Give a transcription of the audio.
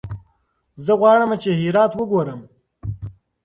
زه غواړم چې هرات وګورم.